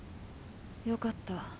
よかった。